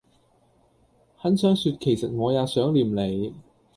很想說其實我也想念你